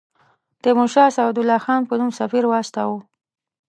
تیمورشاه سعدالله خان په نوم سفیر واستاوه.